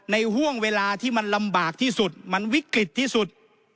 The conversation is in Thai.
ห่วงเวลาที่มันลำบากที่สุดมันวิกฤตที่สุด